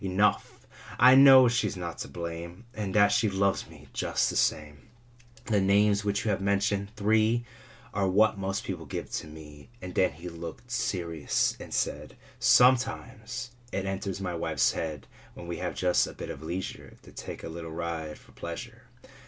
Enough, I know she's not to blame. And that she loves me just the same." Copyrighted, 1897 I HE names which you have mentioned, three, what most people give to me." then looked serious and said :— 1897. Copyrighted, Xf^OMETIMES it enters my wife's head, When we have just a bit of leisure, To take a little ride for pleasure.